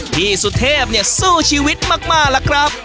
พี่สุเทพเนี่ยสู้ชีวิตมากล่ะครับ